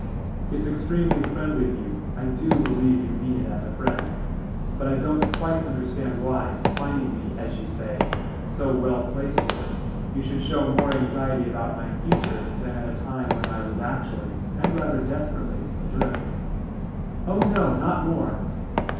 "It's extremely friendly of you I DO believe you mean it as a friend but I don't quite understand why, finding me, as you say, so well placed here, you should show more anxiety about my future than at a time when I was actually, and rather desperately, adrift." "Oh, no, not more!"